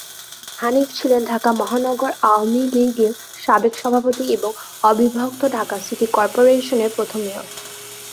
হানিফ ছিলেন ঢাকা মহানগর আওয়ামী লীগের সাবেক সভাপতি এবং অবিভক্ত ঢাকা সিটি কর্পোরেশনের প্রথম মেয়র।